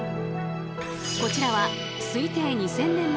こちらは推定２，０００年前